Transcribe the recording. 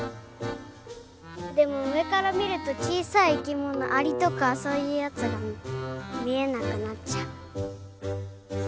でもうえからみるとちいさい生きものアリとかそういうやつがみえなくなっちゃう。